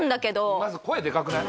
まず声でかくない？